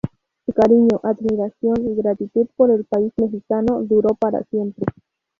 Su cariño, admiración y gratitud por el país mexicano duró para siempre.